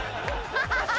・ハハハ！